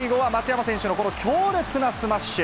最後は松山選手のこの強烈なスマッシュ。